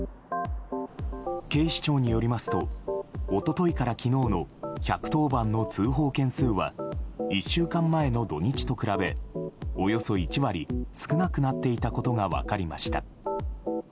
警視庁によりますと一昨日から昨日の１１０番の通報件数は１週間前の土日と比べおよそ１割少なくなっていたことが分かりました。